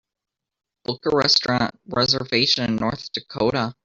Book a restaurant reservation in North Dakota